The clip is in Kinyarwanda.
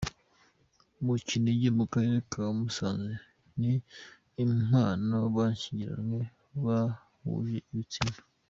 mu Kinigi mu Karere ka Musanze ni impano. bashyingiranwe bahuje ibitsina.